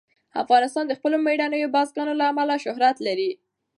افغانستان د خپلو مېړنیو بزګانو له امله شهرت لري.